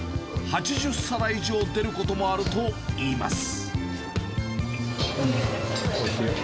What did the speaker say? ８０皿以上出ることもあるといいます。